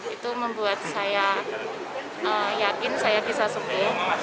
itu membuat saya yakin saya bisa sembuh